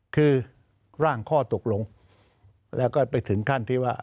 คือร่างข้อตกลงแล้วก็ไปถึงขั้นที่ว่า